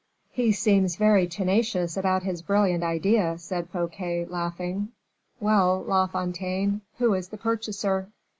"He seems very tenacious about his brilliant idea," said Fouquet, laughing. "Well, La Fontaine, who is the purchaser?"